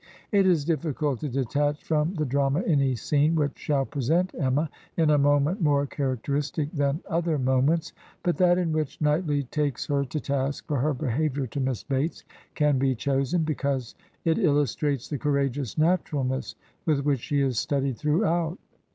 It is difficult to detach from the drama any scene which shall present Emma in a moment more characteristic than other moments ; but that in which Knightley takes her to task for her behavior to Miss Bates can be chosen, because it illustrates the courageous naturalness with which she is studied throughout.